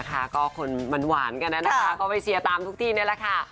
นะคะก็คนมันหวานกันนะนะคะเอาไปเสียตามทุกที่นี่แหละค่ะ